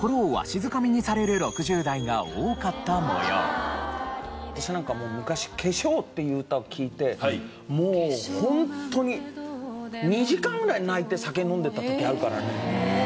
そこに私はなんかもう昔『化粧』っていう歌を聴いてもうホントに２時間ぐらい泣いて酒飲んでた時あるからね家で。